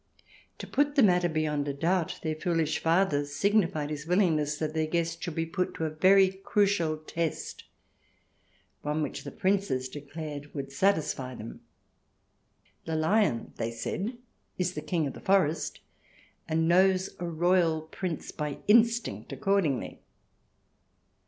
To put the matter beyond a doubt their foolish father signified his wiUingness that their guest should be put to a very crucial test — one which the Princes declared would satisfy them. " The Lion," said they, " is the king of the forest, and knows a royal Prince by instinct, accordingly.